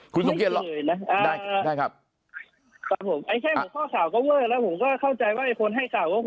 ก็เว่งแล้วผมก็เข้าใจว่าไอ้คนให้สาวว่ามันก็คงไม่ได้พูดความจริงอ่ะ